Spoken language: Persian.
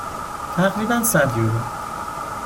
تقریبا صد یورو.